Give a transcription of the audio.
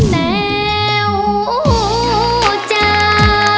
แต้วจ้า